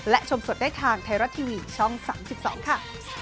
และชมสดได้ทางไทยรัฐทีวีช่อง๓๒ค่ะ